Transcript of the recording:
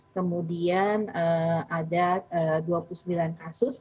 kemudian ada dua puluh sembilan kasus